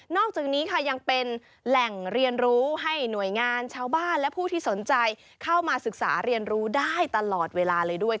อกจากนี้ค่ะยังเป็นแหล่งเรียนรู้ให้หน่วยงานชาวบ้านและผู้ที่สนใจเข้ามาศึกษาเรียนรู้ได้ตลอดเวลาเลยด้วย